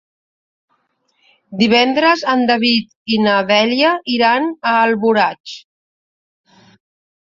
Divendres en David i na Dèlia iran a Alboraig.